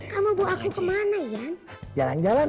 kamu buah kemana ya jalan jalan